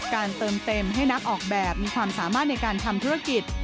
เติมเต็มให้นักออกแบบมีความสามารถในการทำธุรกิจ